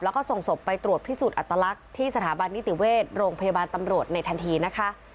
แล้วก็ส่งศพไปตรวจพิสูจน์อัตลักษณ์ที่สถาบันนิติเวชโรงพยาบาลตำรวจในทันทีนะคะ